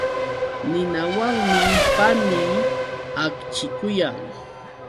Ninawanmi panii akchikuyan.